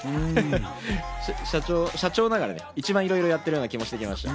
社長ながら一番いろいろやってる気がしてきました。